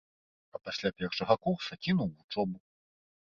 А пасля першага курса кінуў вучобу.